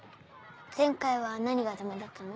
前回は何がダメだったの？